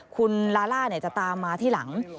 คุณลาล่าจะตามมาที่หลัง